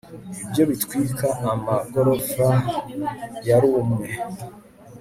ibyo bitwika amagorofa yarumwe